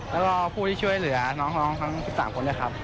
แล้วก็ผู้ที่ช่วยเหลือน้องทั้ง๑๓คนด้วยครับ